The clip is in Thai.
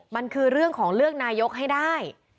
มันคือเรื่องของเลือกนายกให้ได้